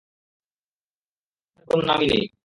ফিরে আসার কোনো নামই নেই।